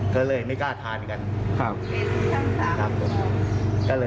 เคยเลยไม่กล้าทานกันครับครับแบบ